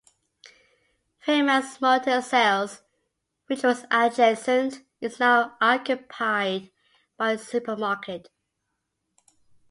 Fairman's motor sales, which was adjacent, is now occupied by a supermarket.